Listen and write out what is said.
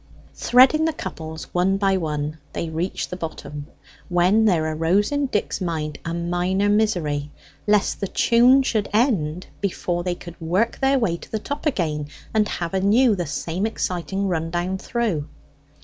Threading the couples one by one they reached the bottom, when there arose in Dick's mind a minor misery lest the tune should end before they could work their way to the top again, and have anew the same exciting run down through.